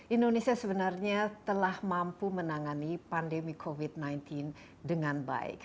indonesia sebenarnya telah mampu menangani pandemi covid sembilan belas dengan baik